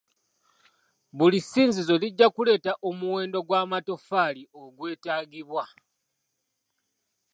Buli ssinzizo lijja kuleeta omuwendo gw'amatoffaali ogwetaagibwa.